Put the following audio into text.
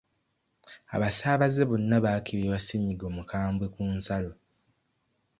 Abasaabaze bonna bakeberebwa ssenyiga omukambwe ku nsalo.